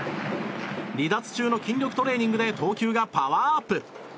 離脱中の筋力トレーニングで投球がパワーアップ。